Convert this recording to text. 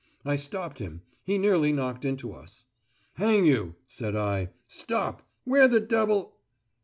I stopped him; he nearly knocked into us. "Hang you," said I. "Stop! Where the devil...?"